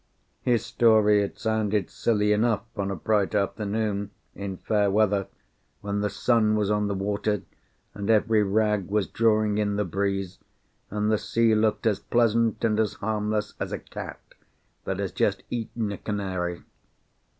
His story had sounded silly enough on a bright afternoon, in fair weather, when the sun was on the water, and every rag was drawing in the breeze, and the sea looked as pleasant and as harmless as a cat that has just eaten a canary.